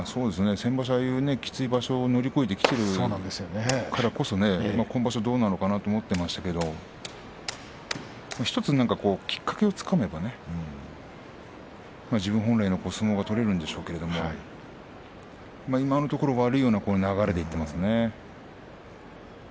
先場所もあれだけきつい場所を乗り越えてきたわけですから今場所どうなのかなと思っていたんですが１つきっかけをつかめば自分本来の相撲が取れるんでしょうが今のところ悪い流れでいっていますね。